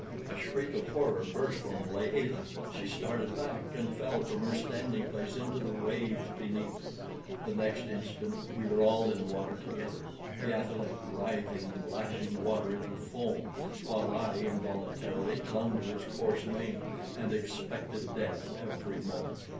A shriek of horror burst from Layelah. She started back, and fell from her standing place into the waves beneath. The next instant we were all in the water together the athaleb writhing and lashing the water into foam, while I involuntarily clung to his coarse mane, and expected death every moment.